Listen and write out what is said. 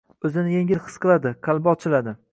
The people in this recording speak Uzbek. o‘zini yengil his qiladi, qalbi ochiladi